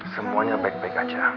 semuanya baik baik aja